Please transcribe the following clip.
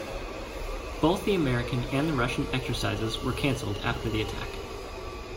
Both the American and the Russian exercises were cancelled after the attack.